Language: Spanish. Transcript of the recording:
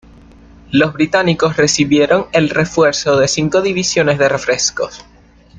Los británicos recibieron el refuerzo de cinco divisiones de refresco.